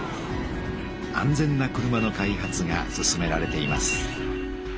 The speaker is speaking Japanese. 安全な車の開発が進められています。